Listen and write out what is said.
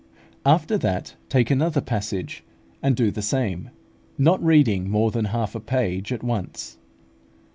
After that, take another passage, and do the same, not reading more than half a page at once.